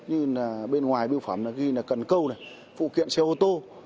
như là bên ngoài biểu phẩm ghi là cần câu này phụ kiện xe ô tô